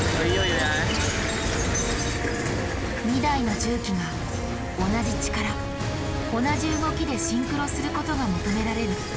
２台の重機が同じ力同じ動きでシンクロすることが求められる。